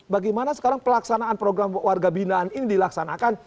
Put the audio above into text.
bagaimana sekarang pelaksanaan program warga binaan ini dilaksanakan